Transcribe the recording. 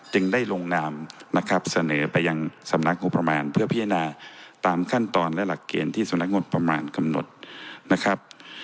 จึงได้ลงนามนะครับเสนอไปยังสำนักงบประมาณเพื่อพิจารณาตามขั้นตอนและหลักเกณฑ์ที่สำนักงบประมาณกำหนดนะครับ